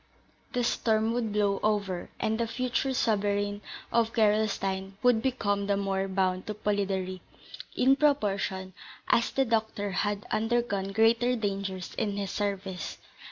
The storm would blow over, and the future sovereign of Gerolstein would become the more bound to Polidori, in proportion as the doctor had undergone greater dangers in his service.